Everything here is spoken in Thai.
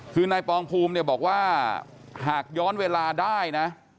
คือนายปองภูมิเนี่ยบอกว่าหากย้อนเวลาได้นะ